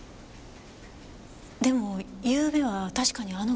でもゆうべは確かにあの現場に。